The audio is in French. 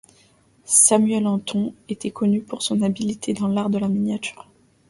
Samuel Anton était connu pour son habilité dans l'art de la miniature.